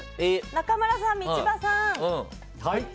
中村さん、道場さん。